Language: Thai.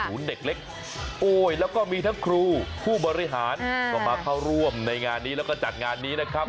เด็กเล็กโอ้ยแล้วก็มีทั้งครูผู้บริหารก็มาเข้าร่วมในงานนี้แล้วก็จัดงานนี้นะครับ